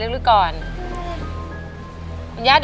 จับแห่งวาง